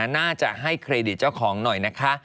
น่าจะให้เครดิตเจ้าของหน่อยนะคะ